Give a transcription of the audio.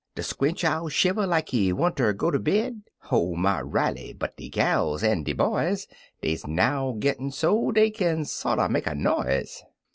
De squinch owl shiver like he wanter go ter bed; Ho my Riley ! but de gals en de boys, Des now gittin' so dey kin sorter make a noise.